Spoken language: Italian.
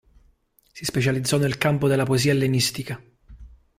Si specializzò nel campo della poesia ellenistica.